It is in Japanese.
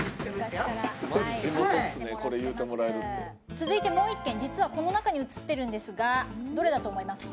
続いてもう１軒実はこの中に映ってるんですがどれだと思いますか？